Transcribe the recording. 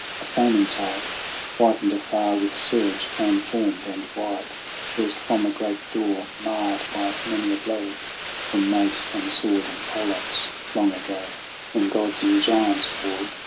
A foaming tide Whitened afar with surge, fan formed and wide, Burst from a great door marred by many a blow From mace and sword and pole axe, long ago When gods and giants warred.